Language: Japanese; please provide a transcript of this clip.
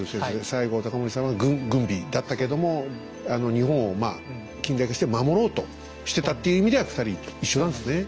西郷隆盛さんは軍備だったけども日本を近代化して守ろうとしてたっていう意味では２人一緒なんですね。